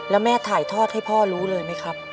แล้วแม่ถ่ายทอดให้พ่อรู้เลยไหมครับ